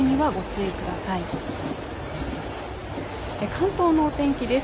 関東のお天気です